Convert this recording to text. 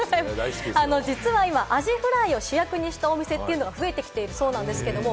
実は今、アジフライを主役にしたお店が増えてきているそうなんですけれども。